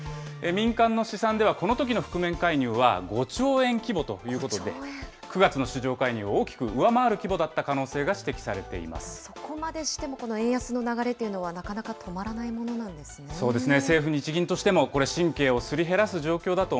民間の試算では、このときの覆面介入は５兆円規模ということで、９月の市場介入を大きく上回る規模だった可能性が指摘されていまそこまでしてもこの円安の流れというのは、なかなか止まらないものなんですね。